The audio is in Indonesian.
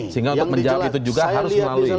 sehingga untuk menjawab itu juga harus melalui